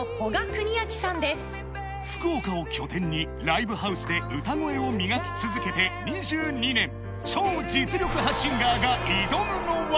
福岡を拠点にライブハウスで歌声を磨き続けて２２年超実力派シンガーが挑むのは